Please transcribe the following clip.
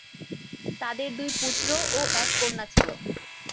তাঁদের দুই পুত্র ও এক কন্যা ছিল।